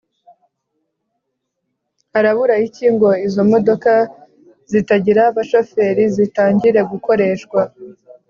Harabura iki ngo izo modoka zitagira abashoferi zitangire gukoreshwa.